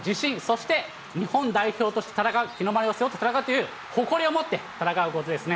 そして日本代表として戦う、日の丸を背負って戦っているという誇りを持って戦うことですね。